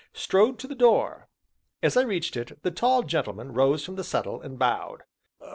strode to the door. As I reached it, the tall gentleman rose from the settle, and bowed.